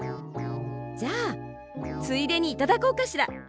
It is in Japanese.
じゃあついでにいただこうかしら。